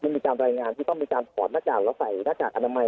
ยังมีการรายงานที่ก็มีการพลอยนาภาษาแล้วใสนาภาษาอันตรรมัย